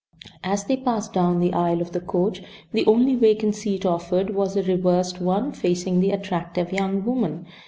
As they passed down the aisle of the coach the only vacant seat offered was a reversed one facing the attractive young woman.